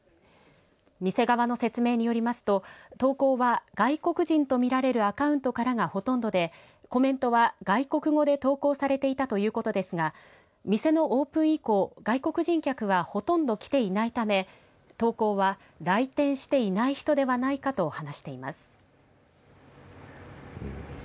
店側の説明によりますと投稿は外国人と見られるアカウントからがほとんどでコメントは外国語で投稿されていたということですが店のオープン以降外国人客はほとんど来ていないため、投稿は来店していない人ではないかと話しています。